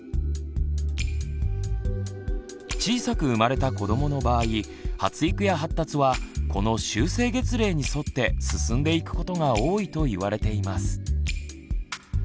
小さく生まれた子どもの場合発育や発達はこの修正月齢に沿って進んでいくことが多いと言われています。